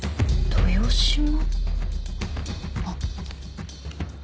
あっ。